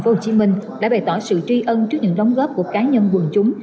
tp hcm đã bày tỏ sự tri ân trước những đóng góp của cá nhân quần chúng